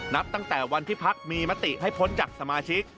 นับตั้งแต่วันที่พักมีมติให้พ้นจากสมาชิก